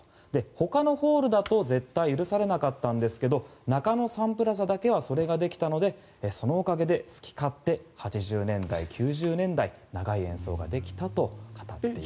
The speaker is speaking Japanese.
ほかのホールだと絶対許されなかったんですが中野サンプラザだけはそれができたのでそのおかげで好き勝手８０年代、９０年代長い演奏ができたと語っています。